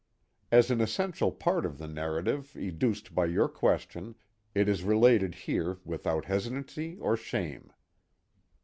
As an essential part of a narrative educed by your question it is related here without hesitancy or shame.